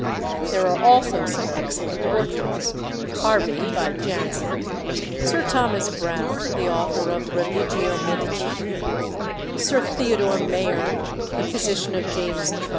There are also some excellent portraits Harvey, by Jansen; Sir Thomas Browne, the author of Religio Medici; Sir Theodore Mayerne, the physician of James I.